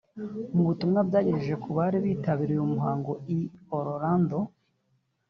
Mu butumwa byagejwe ku bari bitabiriye uyu muhango i Orlando